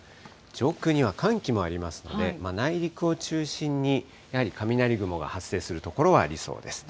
上空には寒気もありますので、内陸を中心にやはり雷雲が発生する所はありそうです。